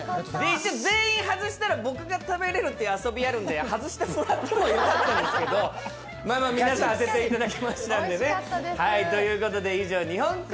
全員外したら僕が食べられるという遊びがあるので外してもらってもよかったんですけど皆さん当てていただきましたんでね。